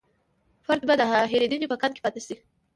فرد به د هېرېدنې په کنده کې پاتې شي.